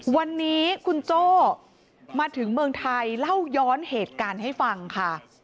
วันนี้คุณโจ้มาถึงเมืองไทยเล่าย้อนเหตุการณ์ให้ฟังค่ะ